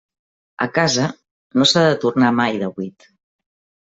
A casa, no s'ha de tornar mai de buit.